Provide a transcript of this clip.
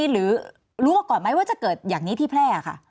หรือรู้มาก่อนไหมว่าจะเกิดอย่างนี้ที่แพร่ค่ะ